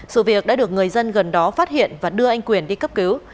sự việc đã được người dân gần đó phát hiện và đưa anh quyền đi cấp cứu